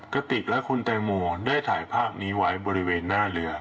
กระติกและคุณแตงโมได้ถ่ายภาพนี้ไว้บริเวณหน้าเรือ